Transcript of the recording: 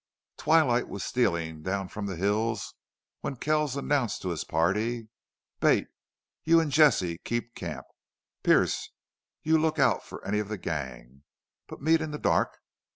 Twilight was stealing down from the hills when Kells announced to his party: "Bate, you and Jesse keep camp. Pearce, you look out for any of the gang. But meet in the dark!...